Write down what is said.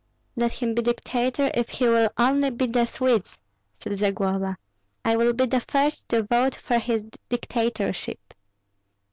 "Let him be dictator if he will only beat the Swedes," said Zagloba; "I will be the first to vote for his dictatorship."